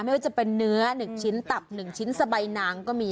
ไม่ว่าจะเป็นเนื้อ๑ชิ้นตับ๑ชิ้นสบายนางก็มี